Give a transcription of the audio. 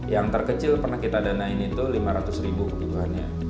yang terkecil pernah kita danain itu lima ratus rupiahnya